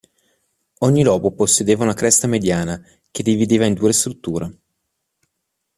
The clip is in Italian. Ogni lobo possedeva una cresta mediana, che divideva in due la struttura.